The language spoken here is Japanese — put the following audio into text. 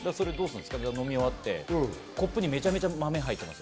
飲み終わってコップに豆がめちゃくちゃ入ってます。